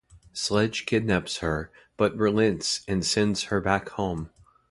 Sledge kidnaps her but relents and sends her back home.